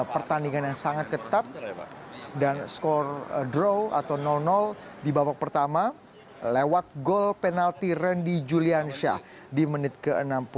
pertandingan yang sangat ketat dan skor draw atau di babak pertama lewat gol penalti randy juliansyah di menit ke enam puluh